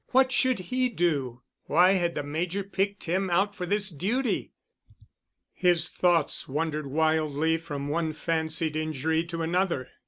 What should he do? Why had the Major picked him out for this duty! His thoughts wandered wildly from one fancied injury to another.